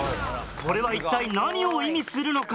これは一体何を意味するのか？